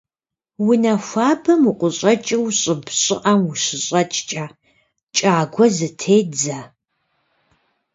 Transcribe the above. Унэ хуабэм укъыщӀэкӀыу щӀыб щӀыӀэм ущыщӏэкӀкӀэ кӀагуэ зытедзэ.